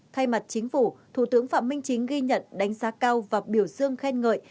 thay mặt chính phủ thủ tướng phạm minh chính ghi nhận đánh giá cao và biểu dương khen ngợi